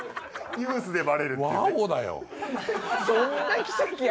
ニュースでバレるっていうね。